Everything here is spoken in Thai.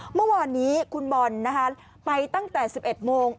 เมื่อวานนี้คุณบอลไปตั้งแต่๑๑โมง